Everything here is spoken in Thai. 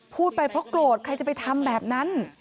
พูดไปเพราะโกรธใครจะไปทำแบบนั้น